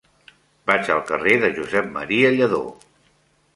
Vaig al carrer de Josep M. Lladó.